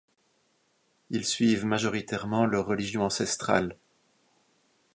Ils suivent majoritairement leur religion ancestrales.